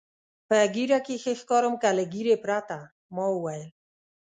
په ږیره کې ښه ښکارم که له ږیرې پرته؟ ما وویل.